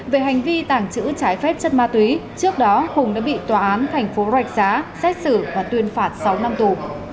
về hành vi tàng trữ trái phép chất ma túy trước đó hùng đã bị tòa án tp rexa xét xử và tuyên phạt sáu năm tù